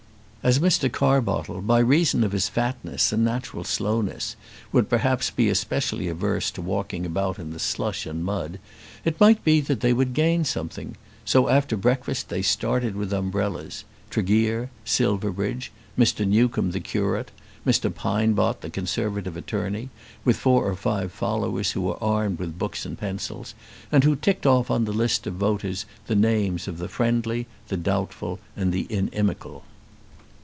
As Mr. Carbottle, by reason of his fatness and natural slowness, would perhaps be specially averse to walking about in the slush and mud, it might be that they would gain something; so after breakfast they started with umbrellas, Tregear, Silverbridge, Mr. Newcomb the curate, Mr. Pinebott the conservative attorney, with four or five followers who were armed with books and pencils, and who ticked off on the list of the voters the names of the friendly, the doubtful, and the inimical.